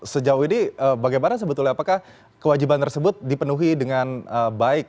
sejauh ini bagaimana sebetulnya apakah kewajiban tersebut dipenuhi dengan baik